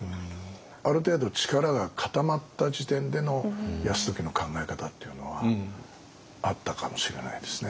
ある程度力が固まった時点での泰時の考え方っていうのはあったかもしれないですね。